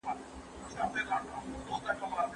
کارپوهانو به سیاسي ستونزي حل کولې.